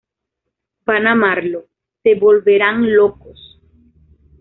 Van a amarlo ¡Se volverán locos!